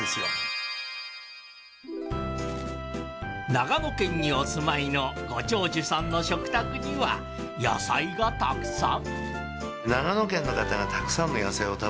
長野県にお住まいのご長寿さんの食卓には野菜がたくさん。